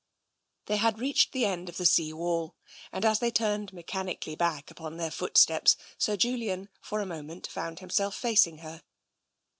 They had reached the end of the sea wall, and as they turned mechanically back upon their footsteps. Sir Julian for a moment found himself facing her.